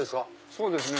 そうですね